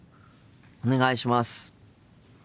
お願いします。